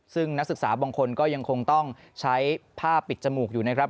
ซึ่งนักศึกษาบางคนก็ยังคงต้องใช้ผ้าปิดจมูกอยู่นะครับ